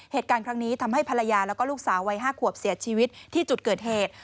เหตุการณ์ครั้งนี้ทำให้ภรรยาแล้วก็ลูกสาววัย๕ขวบเสียชีวิตที่จุดเกิดเหตุ